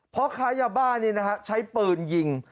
พ่อค้ายาบ้านี่นะครับใช้เปลืองยิง